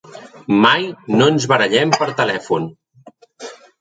Mai no ens barallem per telèfon.